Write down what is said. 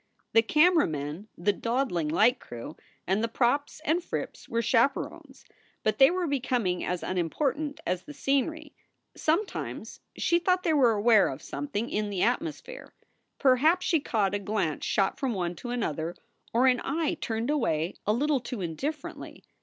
The camera men, the dawdling light crew, and the props and frips were chaperons, but they were becoming as unim portant as the scenery. Sometimes she thought they were aware of a something in the atmosphere. Perhaps she caught a glance shot from one to another, or an eye turned away a little too indifferently.